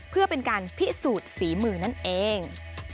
เพื่อเป็นการพิสูจน์ฝีมือนั่นเอง